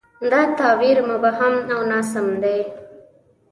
دا تعبیر مبهم او ناسم دی.